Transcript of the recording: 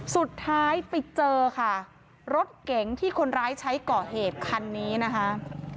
สุดท้ายไปเจอค่ะรถเก๋งที่คนร้ายใช้ก่อเหตุคันนี้นะคะ